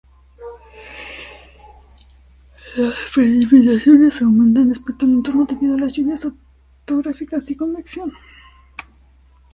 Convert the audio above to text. Las precipitaciones aumentan respecto al entorno debido a las lluvias orográficas y de convección.